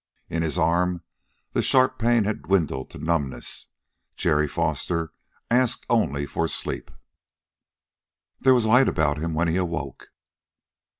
In his arm the sharp pain had dwindled to numbness; Jerry Foster asked only for sleep. There was light about him when he awoke.